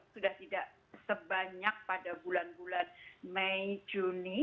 sudah tidak sebanyak pada bulan bulan mei juni